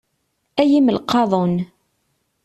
Ay imelqaḍen.